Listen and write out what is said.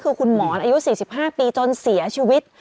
คือคุณหมอนอายุ๔๕ปีจนเสียชีวิต